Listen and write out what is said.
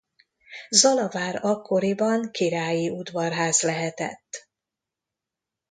Zalavár akkoriban királyi udvarház lehetett.